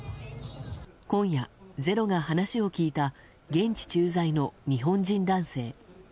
今夜、「ｚｅｒｏ」が話を聞いた現地駐在の日本人男性。